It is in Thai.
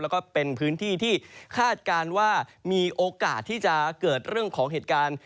แล้วก็เป็นพื้นที่ที่คาดการณ์ว่ามีโอกาสที่จะเกิดเรื่องของเหตุการณ์